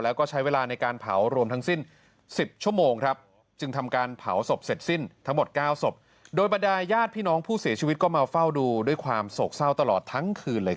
แล้วก็ใช้เวลาในการเผารวมทั้งสิ้น๑๐ชั่วโมง